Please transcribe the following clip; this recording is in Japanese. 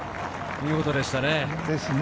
見事でしたね。